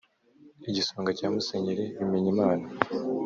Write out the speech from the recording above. Igisonga cya Musenyeri Bimenyimana